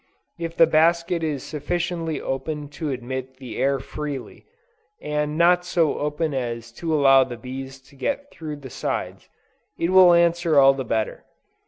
If the basket is sufficiently open to admit the air freely, and not so open as to allow the bees to get through the sides, it will answer all the better.